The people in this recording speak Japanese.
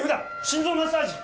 心臓マッサージ！